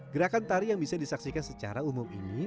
gerakan tari yang bisa disaksikan secara umum ini